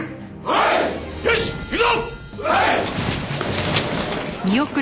はい！